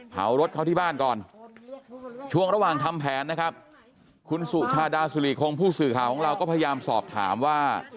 รถเขาที่บ้านก่อนช่วงระหว่างทำแผนนะครับคุณสุชาดาสุริคงผู้สื่อข่าวของเราก็พยายามสอบถามว่า